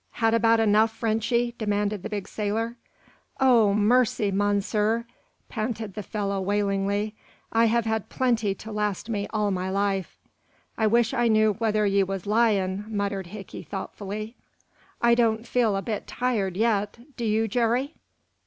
"Had about enough, Frenchy?" demanded the big sailor. "Oh, mercy, monsieur!" panted the fellow wailingly. "I have had much plenty to last me all my life." "I wish I knew whether ye was lyin'," muttered Hickey, thoughtfully. "I don't feel a bit tired, yet. Do you, Jerry?"